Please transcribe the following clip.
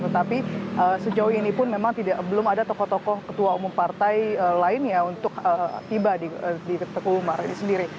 tetapi sejauh ini pun memang belum ada tokoh tokoh ketua umum partai lainnya untuk tiba di teguh umar ini sendiri